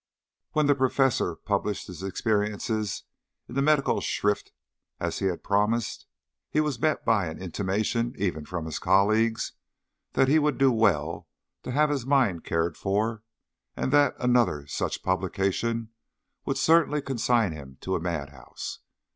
When the Professor published his experiences in the Medicalschrift as he had promised, he was met by an intimation, even from his colleagues, that he would do well to have his mind cared for, and that another such publication would certainly consign him to a madhouse.